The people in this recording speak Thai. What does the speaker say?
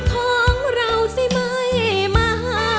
เพื่อนของเราสิไม่มา